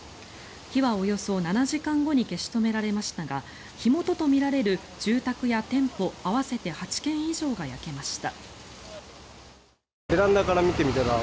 火はおよそ７時間後に消し止められましたが火元とみられる住宅や店舗合わせて８軒以上が焼けました。